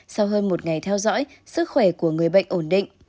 sau hơn một ngày theo dõi sức khỏe của người bệnh ổn định